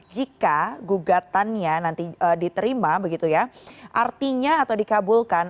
jika gugatannya nanti diterima begitu ya artinya atau dikabulkan